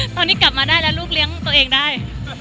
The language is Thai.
ตอนนี้กลับมาได้แล้วลูกเลี้ยงตัวเองได้